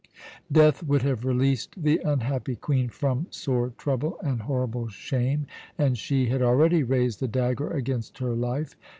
"Death would have released the unhappy Queen from sore trouble and horrible shame. And she had already raised the dagger against her life.